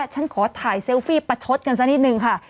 ฉันขอถ่ายเซลฟี่ประชดกันสักนิดนึงค่ะ